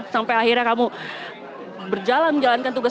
sampai akhirnya kamu berjalan menjalankan tugas